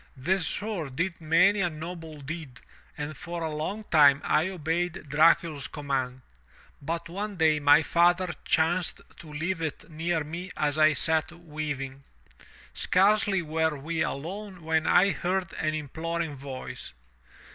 The sword did many a noble deed and for a long time I obeyed Dracul's command. But one day my father chanced to leave it near me as I sat weaving. Scarcely were we alone when I heard an imploring voice.